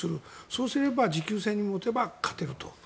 そうすれば持久戦に持っていけば勝てると。